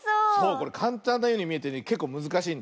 これかんたんなようにみえてねけっこうむずかしいんだよ。